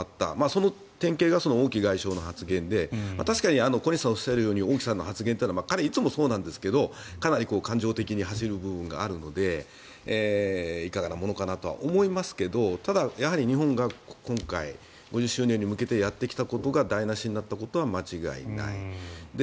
その典型が王毅外相の発言で確かに小西さんがおっしゃるように王毅さんの発言というのは彼、いつもそうなんですがかなり感情的に走る部分があるのでいかがなものかなとは思いますがただ、日本が今回５０周年に向けてやってきたことが台無しになったことは間違いない。